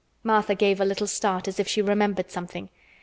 Martha gave a little start, as if she remembered something.